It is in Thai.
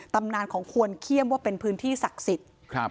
ตำนานของควรเขี้ยมว่าเป็นพื้นที่ศักดิ์สิทธิ์ครับ